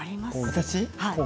私？